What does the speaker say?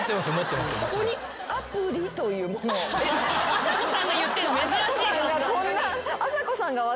あさこさんが言ってるの珍しい。